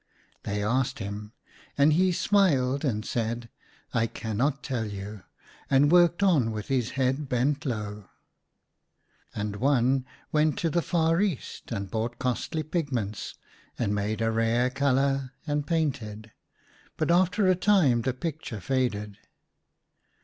" They asked him ; and he smiled and said, " I cannot tell you "; and worked on with his head bent low. THE ARTIST'S SECRET. And one went to the far East and bought costly pigments, and made a rare colour and painted, but after a time the picture faded.